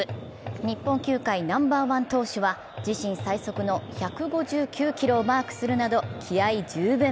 日本球界ナンバーワン投手は自身最速の１５９キロをマークするなど気合い十分。